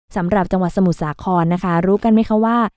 สำหรับจังหวัดสมุทรสาครนะคะรู้กันไหมคะว่า